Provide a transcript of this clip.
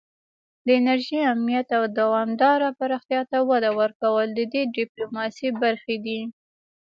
د انرژۍ امنیت او دوامداره پراختیا ته وده ورکول د دې ډیپلوماسي برخې دي